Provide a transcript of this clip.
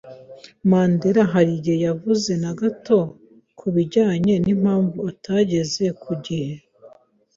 Mandera hari icyo yavuze na gato kubijyanye n'impamvu atageze ku gihe?